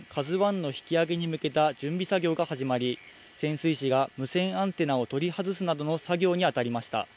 ＫＡＺＵＩの引き揚げに向けた準備作業が始まり、潜水士が無線アンテナを取り外すなどの作業に当たりました。